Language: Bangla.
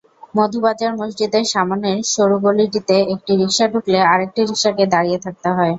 মধুবাজার মসজিদের সামনের সরু গলিটিতে একটি রিকশা ঢুকলে আরেকটি রিকশাকে দাঁড়িয়ে থাকতে হয়।